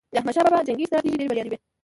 د احمد شاه بابا جنګي ستراتیژۍ ډېرې بریالي وي.